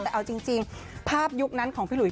แต่เอาจริงภาพยุคนั้นของพี่หุย